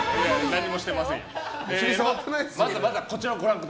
何もしてませんよ。